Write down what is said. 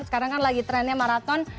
sekarang kan lagi trendnya maraton